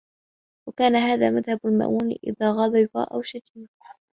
وَكَانَ هَذَا مَذْهَبَ الْمَأْمُونِ إذَا غَضِبَ أَوْ شُتِمَ